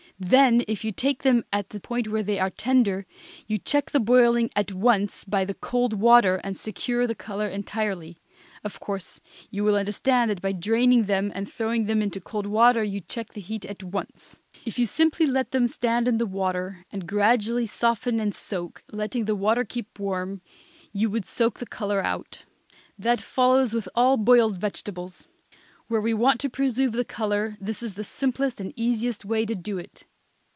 Then if you take them at the point when they are tender you check the boiling at once by the cold water and secure the color entirely. Of course you will understand that by draining them and throwing them into cold water you check the heat at once. If you simply let them stand in the water and gradually soften and soak, letting the water keep warm, you would soak the color out. That follows with all boiled vegetables. Where we want to preserve the color this is the simplest and easiest way to do it.